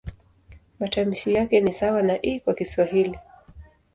Matamshi yake ni sawa na "i" kwa Kiswahili.